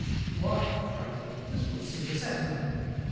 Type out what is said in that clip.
"Why," cried he, "this will suit us admirably!